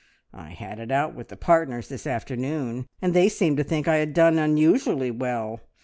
I had it out with the partners this afternoon, and they seemed to think I had done unusually well.